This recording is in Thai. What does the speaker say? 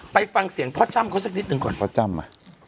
ไปฟังเสียงพ่อจ้ำเขาสักนิดหนึ่งก่อนพ่อจ้ำอ่ะ